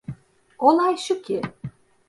Olay şu ki…